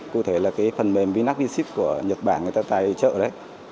cụ thể là phần mềm vinac vship của nhật bản người ta tài trợ đấy